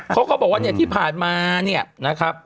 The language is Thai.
เขาก็บอกว่าเนี่ยที่ผ่านมาเนี่ยนะครับ